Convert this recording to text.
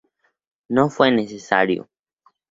No fue necesario.